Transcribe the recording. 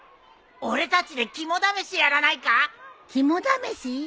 俺たちで肝試しやらないか？肝試し？